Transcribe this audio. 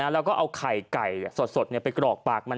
แล้วก็เอาไข่ไก่สดไปกรอกปากมัน